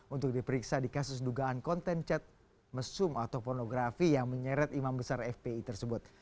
untuk diperiksa di kasus dugaan konten cat mesum atau pornografi yang menyeret imam besar fpi tersebut